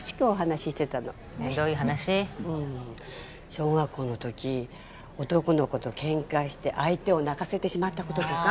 小学校のとき男の子とケンカして相手を泣かせてしまったこととか。